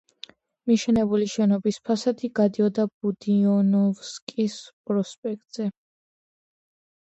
მიშენებული შენობის ფასადი გადიოდა ბუდიონოვსკის პროსპექტზე.